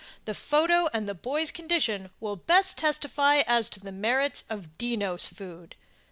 The photo and the boy's condition will best testify as to the merits of DENNOS FOOD.